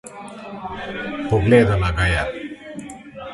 Pogledala ga je.